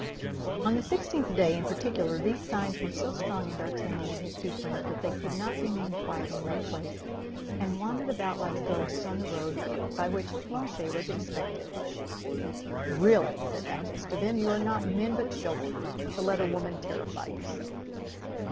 On the sixteenth day, in particular, these signs were so strong in D'Artagnan and his two friends that they could not remain quiet in one place, and wandered about like ghosts on the road by which Planchet was expected. "Really," said Athos to them, "you are not men but children, to let a woman terrify you so!